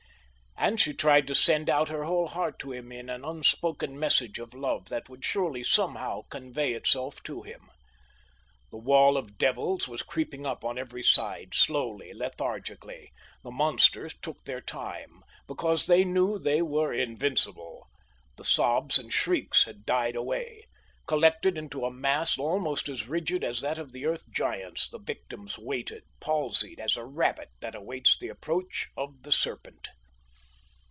And she tried to send out her whole heart to him in an unspoken message of love that would surely somehow convey itself to him. The wall of devils was creeping up on every side, slowly, lethargically. The monsters took their time, because they knew they were invincible. The sobs and shrieks had died away. Collected into a mass almost as rigid as that of the Earth Giants, the victims waited, palsied as a rabbit that awaits the approach of the serpent.